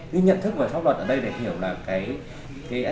cái nhận thức về pháp luật ở đây để hiểu là cái